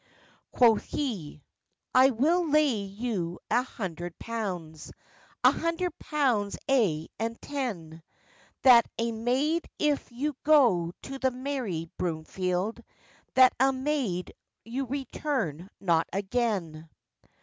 Quoth he, 'I will lay you a hundred pounds, A hundred pounds, aye, and ten, That a maid if you go to the merry Broomfield, That a maid you return not again.